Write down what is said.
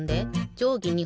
じょうぎ２